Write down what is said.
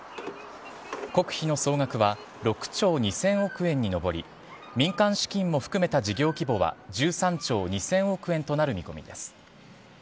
国費の総額は６兆２０００億円に上り、民間資金も含めた事業規模は１３兆２０００億円となる見込みです。